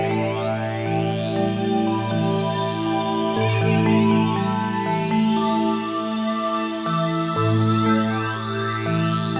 โปรดติดตามตอนต่อไป